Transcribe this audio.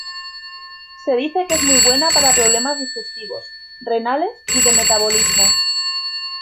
Se dice que es muy buena para problemas digestivos, renales y de metabolismo.